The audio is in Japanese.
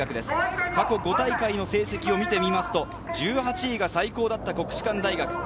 過去５大会の成績を見ると、１８位が最高だった国士舘大学。